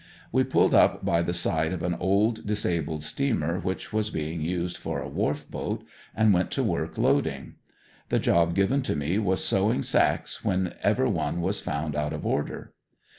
We pulled up by the side of an old disabled steamer which was being used for a wharf boat and went to work loading. The job given to me was sewing sacks when ever one was found out of order.